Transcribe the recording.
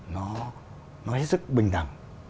nó hết sức bình đẳng